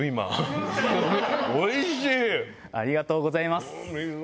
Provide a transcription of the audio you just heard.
ありがとうございます。